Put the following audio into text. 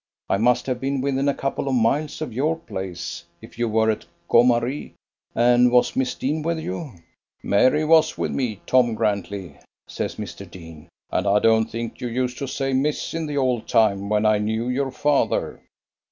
I must have been within a couple of miles of your place if you were at Gomaree; and was Miss Deane with you?" "Mary was with me, Tom Grantley," says Mr. Deane, "and I don't think you used to say 'Miss' in the old time when I knew your father."